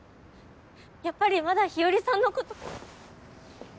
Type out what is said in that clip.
やっぱりまだ日和さんのこと。